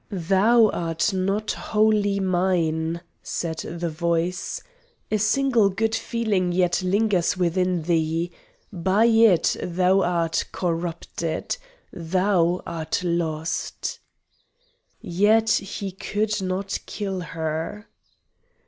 "Thou art not wholly mine," said the voice; "a single good feeling yet lingers within thee! By it thou art corrupted thou art lost!" Yet he could not kill her.